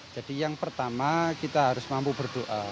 jadi yang pertama kita harus mampu berdoa